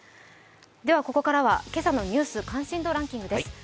ここからは今朝のニュース関心度ランキングです。